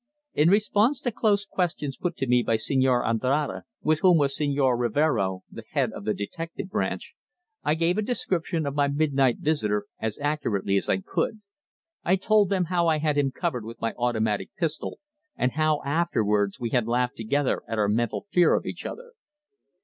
In response to close questions put to me by Señor Andrade, with whom was Señor Rivero, the head of the Detective Branch, I gave a description of my midnight visitor as accurately as I could. I told them how I had covered him with my automatic pistol, and how afterwards we had laughed together at our mental fear of each other.